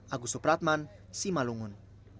agus supratman simalungun